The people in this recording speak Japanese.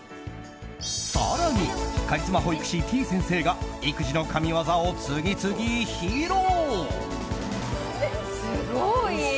更にカリスマ保育士てぃ先生が育児の神ワザを次々、披露。